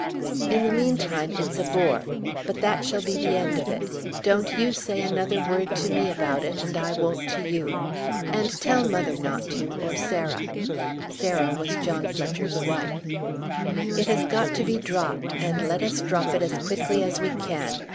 "In the meantime it's a bore. But that shall be the end of it. Don't you say another word to me about it, and I won't to you. And tell mother not to, or Sarah." Sarah was John Fletcher's wife. "It has got to be dropped, and let us drop it as quickly as we can.